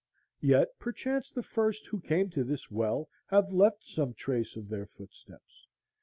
Yet perchance the first who came to this well have left some trace of their footsteps.